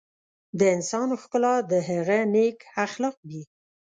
د انسان ښکلا د هغه نیک اخلاق دي.